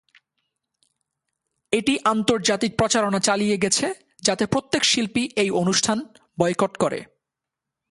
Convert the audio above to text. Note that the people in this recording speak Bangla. এটি আন্তর্জাতিক প্রচারণা চালিয়ে গেছে যাতে প্রত্যেক শিল্পী এই অনুষ্ঠান বয়কট করে।